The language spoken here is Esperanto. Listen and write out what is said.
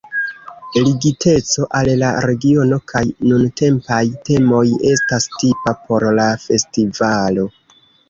Ligiteco al la regiono kaj nuntempaj temoj estas tipa por la festivalo.